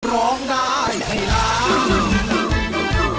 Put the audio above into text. ร้องได้ให้ล้าน